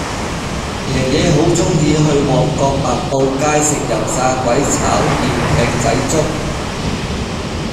爺爺好鍾意去旺角白布街食油炸鬼炒麵艇仔粥